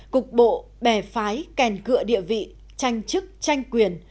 cục bộ bè phái kèm cựa địa vị tranh chức tranh quyền